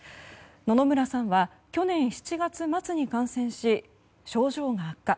野々村さんは去年７月末に感染し症状が悪化。